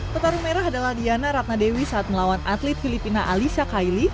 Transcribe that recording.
pertarung merah adalah diana ratnadewi saat melawan atlet filipina alisa kaili